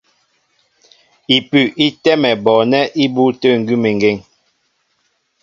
Ipʉ í tɛ́mɛ bɔɔnɛ́ ibû tə̂ ngʉ́mengeŋ.